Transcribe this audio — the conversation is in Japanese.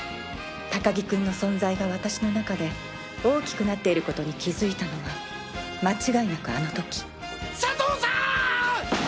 高木君の存在が私の中で大きくなっていることに気付いたのは間違いなくあの時。